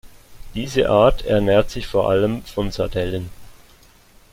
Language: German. Diese Art ernährt sich vor allem von Sardellen.